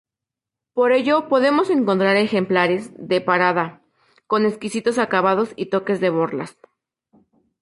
Por ello podemos encontrar ejemplares de "parada" con exquisitos acabados y toques de borlas.